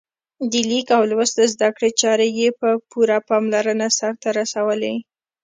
د لیک او لوست زده کړې چارې یې په پوره پاملرنه سرته رسولې.